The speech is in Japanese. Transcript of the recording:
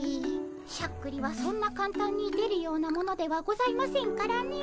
しゃっくりはそんなかんたんに出るようなものではございませんからねえ。